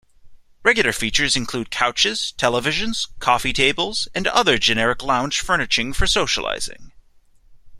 Regular features include couches, televisions, coffee tables, and other generic lounge furniture for socializing.